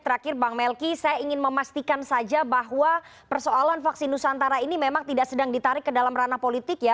terakhir bang melki saya ingin memastikan saja bahwa persoalan vaksin nusantara ini memang tidak sedang ditarik ke dalam ranah politik ya